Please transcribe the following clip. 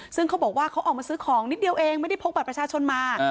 ซึ่งเขาบอกว่าเขาออกมาซื้อของนิดเดียวเองไม่ได้พกบัตรประชาชนมา